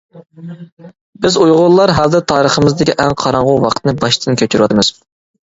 بىز ئۇيغۇرلار ھازىر تارىخىمىزدىكى ئەڭ قاراڭغۇ ۋاقىتنى باشتىن كەچۈرۈۋاتىمىز.